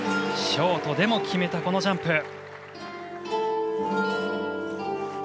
ショートでも決めたこのジャンプ。